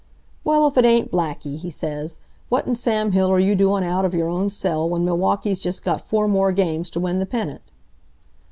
"'Well if it ain't Blackie!' he says. 'What in Sam Hill are you doing out of your own cell when Milwaukee's just got four more games t' win the pennant?'